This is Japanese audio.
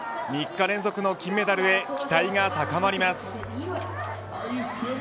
３日連続の金メダルへ期待が高まります。